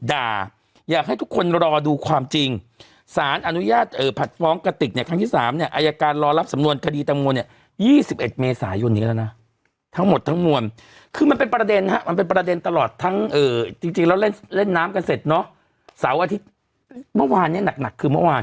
อยากให้ทุกคนรอดูความจริงสารอนุญาตผัดฟ้องกระติกเนี่ยครั้งที่๓เนี่ยอายการรอรับสำนวนคดีตังโมเนี่ย๒๑เมษายนนี้แล้วนะทั้งหมดทั้งมวลคือมันเป็นประเด็นฮะมันเป็นประเด็นตลอดทั้งจริงแล้วเล่นน้ำกันเสร็จเนาะเสาร์อาทิตย์เมื่อวานเนี่ยหนักคือเมื่อวาน